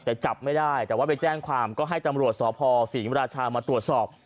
แต่จับไม่ได้แต่ว่าไปแจ้งความก็ให้ตำรวจสพศรีมราชามาตรวจสอบ